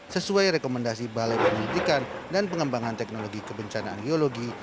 sesuai rekomendasi balai penyelidikan dan pengembangan teknologi kebencanaan geologi